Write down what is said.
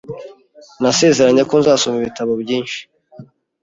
Nasezeranye ko nzasoma ibitabo byinshi .